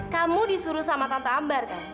kamu disuruh sama tante afiqa